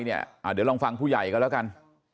เดี๋ยวลองฟังผู้ใหญ่กัน